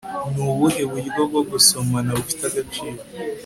ni ubuhe buryo bwo gusomana bufite agaciro